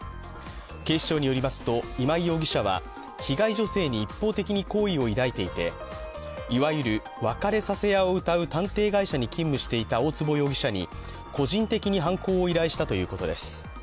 警視庁によりますと今井容疑者は被害女性に一方的に好意を抱いていて、いわゆる別れさせ屋をうたう探偵会社に勤務していた大坪容疑者に、個人的に犯行を依頼したということです。